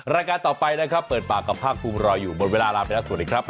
รายการต่อไปนะครับเปิดปากกับภาคภูมิรออยู่หมดเวลาลาไปแล้วสวัสดีครับ